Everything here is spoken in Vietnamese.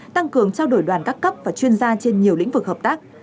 tăng cường trao đổi đoàn các cấp và chuyên gia trên nhiều lĩnh vực hợp tác